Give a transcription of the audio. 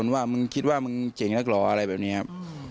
มันเก่งนักหรออะไรแบบนี้ครับ